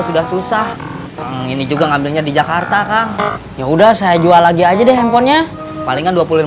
sudah susah ini juga ngambilnya di jakarta kak ya udah saya jual lagi aja deh handphonenya palingan